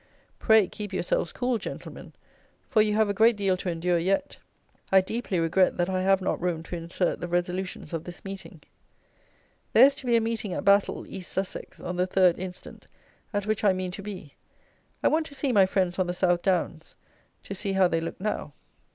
Pray, keep yourselves cool, gentlemen; for you have a great deal to endure yet. I deeply regret that I have not room to insert the resolutions of this meeting. There is to be a meeting at Battle (East Sussex) on the 3rd instant, at which I mean to be. I want to see my friends on the South Downs. To see how they look now.